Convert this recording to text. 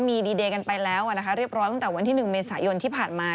มีดีเดย์กันไปแล้วเรียบร้อยตั้งแต่วันที่๑เมษายนที่ผ่านมา